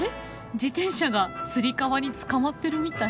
自転車がつり革につかまってるみたい。